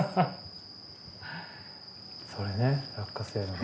それね落花生のご飯。